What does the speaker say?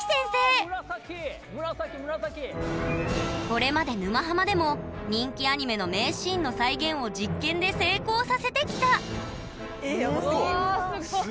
これまで「沼ハマ」でも人気アニメの名シーンの再現を実験で成功させてきたえヤバっ。